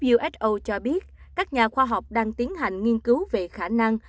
uso cho biết các nhà khoa học đang tiến hành nghiên cứu về khả năng